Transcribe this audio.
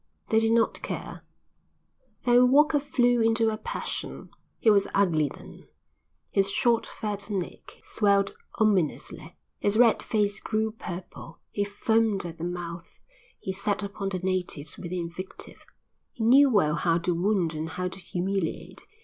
They did not care. Then Walker flew into a passion. He was ugly then. His short fat neck swelled ominously, his red face grew purple, he foamed at the mouth. He set upon the natives with invective. He knew well how to wound and how to humiliate.